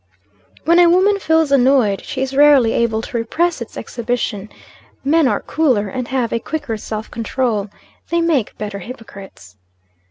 When a woman feels annoyed, she is rarely able to repress its exhibition. Men are cooler, and have a quicker self control. They make better hypocrites.